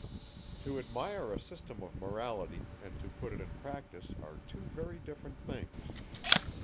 To admire a system of Morality, and to put it in practice, are two very different things.